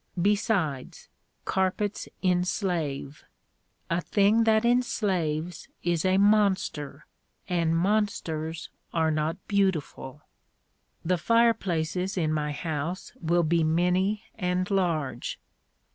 Besides, carpets enslave. A thing that enslaves is a monster, and monsters are not beautiful. The fireplaces in my house will be many and large.